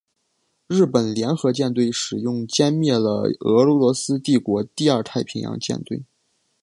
日本联合舰队使用歼灭了俄罗斯帝国第二太平洋舰队。